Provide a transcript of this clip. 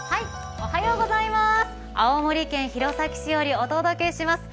青森県弘前市よりお届けします。